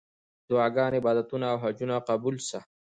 دعاګانې، عبادتونه او حجونه قبول سه.